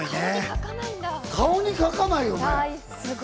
顔にかかないよね。